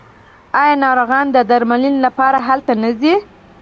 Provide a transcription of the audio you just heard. آیا ناروغان د درملنې لپاره هلته نه ځي؟